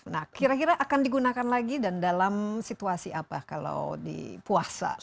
nah kira kira akan digunakan lagi dan dalam situasi apa kalau di puasa